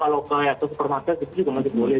kalau ke supermarket itu juga masih boleh